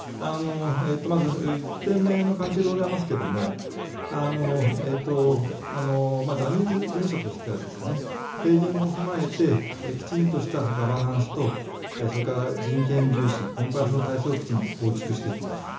まず、１点目の関係でございますがジャニーズ事務所としては提言も踏まえてきちんとしたガバナンスとそれから人権重視コンプライアンスの体制をきちんと構築していきます。